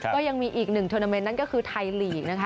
ก็ยังมีอีกหนึ่งทุนเทอร์เมนนั่นก็คือไทยลีก